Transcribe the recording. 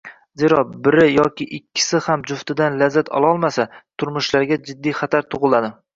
Zero, biri yoki ikkisi ham juftidan lazzat ololmasa, turmushlariga jiddiy xatar tug‘iladi.